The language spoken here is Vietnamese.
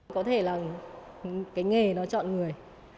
có thể là cái nghề nó chọn người